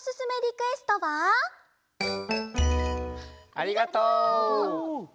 ありがとう。